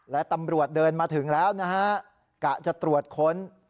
และตำรวจเดินมาถึงแล้วนะฮะกะจะตรวจค้น